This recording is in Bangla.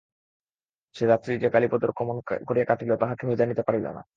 সে রাত্রি যে কালীপদর কেমন করিয়া কাটিল তাহা কেহ জানিতে পারিল না।